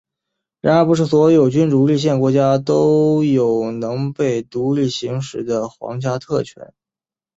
然而不是所有君主立宪国家都有能被独立行使的皇家特权。